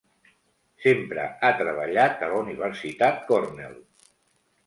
Sempre ha treballat a la Universitat Cornell.